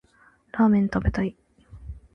ラーメンを食べたい。